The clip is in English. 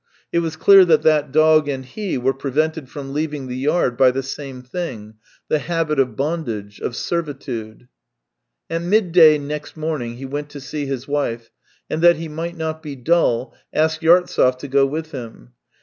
It was clear that that dog and he were prevented from leaving the yard by the same thing; the habit of bondage, of servitude. ... At midday next morning he went to see his 310 THE TALES OF TCHEHOV wife, and that he might not be dull, asked Yartsev to go with him.